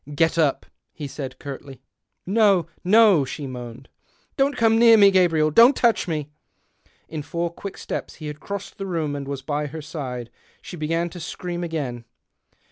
" Get up !" he said curtly. " No, no !" she moaned. " Don't come near me, Gabriel ; don't touch me." In four quick steps he had crossed the room and was by her side. She began to scream again.